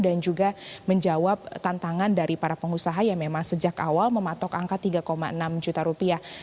dan juga menjawab tantangan dari para pengusaha yang memang sejak awal mematok angka tiga enam juta rupiah